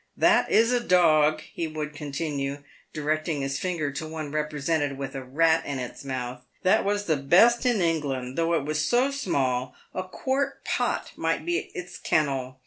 That is a dog," he would continue, directing his finger to one represented with a rat in its mouth —" that was the best in England, though it was so small a quart pot might be its kennel.